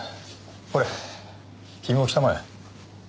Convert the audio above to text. ほれ君も来たまえ。